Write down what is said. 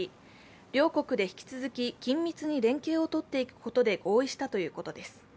両国で引き続き緊密に連携を取っていくことで合意したということです。